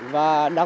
và phát triển được